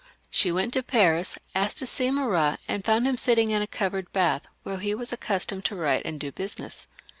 She went to Paris, asked to see Marat, and Jound him sitting in a covered bath, where he was accustomed to write and do business.